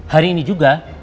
hari ini juga